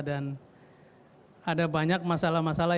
dan ada banyak masalah masalah